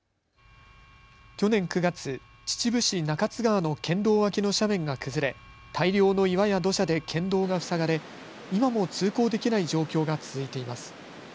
去年９月、秩父市中津川の県道脇の斜面が崩れ、大量の岩や土砂で県道が塞がれ、今も通行できない状況が続いています。